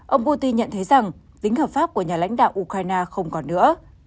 ông putin nhận thấy rằng tính hợp pháp của nhà lãnh đạo ukraine không còn nữa